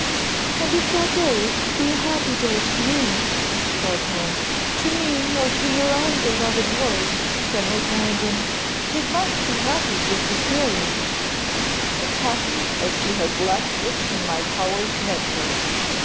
"And if that day is to be a happy day to me," cried Helen, "to me or to your own beloved ward, General Clarendon, it must be happy to Cecilia!" "As happy as she has left it in my power to make her.